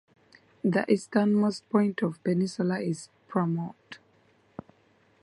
The easternmost point of the peninsula is Pramort.